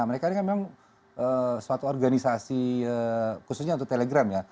mereka memang suatu organisasi khususnya untuk telegram ya